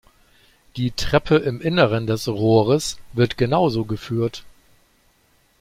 Die Treppe im Inneren des Rohres wird genauso geführt.